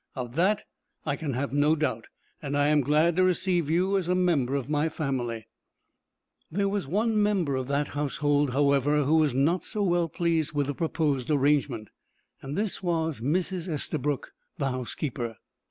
Of that I can have no doubt, and I am glad to receive you as a member of my family." There was one member of the household, however, who was not so well pleased with the proposed arrangement. This was Mrs. Estabrook, the housekeeper.